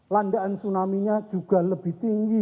landaan tsunami nya juga lebih tinggi